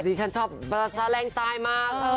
แต่ที่ฉันชอบประสาทแรงตายมาก